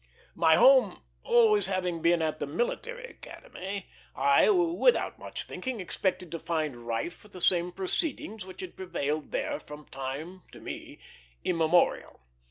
My home having always been at the Military Academy, I, without much thinking, expected to find rife the same proceedings which had prevailed there from time to me immemorial.